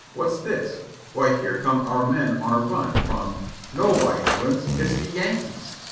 What's this? Why, here come our men on a run, from — no, by Heavens! it's the Yankees!'